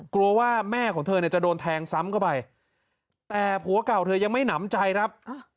กลัวว่าแม่ของเธอเนี่ยจะโดนแทงซ้ำเข้าไปแต่ผัวเก่าเธอยังไม่หนำใจครับ